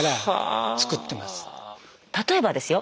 例えばですよ